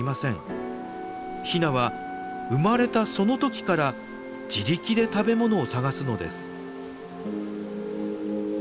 ヒナは生まれたその時から自力で食べ物を探すのです。